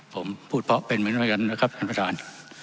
ผมพูดเพราะเป็นเหมือนกันนะครับท่านประธาน